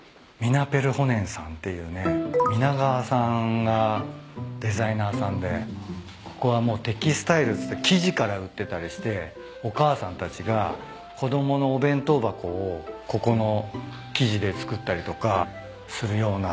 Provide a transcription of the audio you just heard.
ｍｉｎａｐｅｒｈｏｎｅｎさんっていうね皆川さんがデザイナーさんでここはもうテキスタイルっつって生地から売ってたりしてお母さんたちが子供のお弁当箱をここの生地で作ったりとかするような。